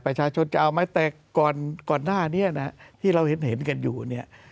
ประชาชนจะเอาไหมแต่ก่อนก่อนหน้านี้นะที่เราเห็นกันอยู่เนี่ย